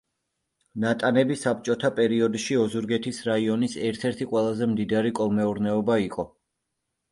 ნატანები საბჭოთა პერიოდში ოზურგეთის რაიონის ერთ-ერთი ყველაზე მდიდარი კოლმეურნეობა იყო.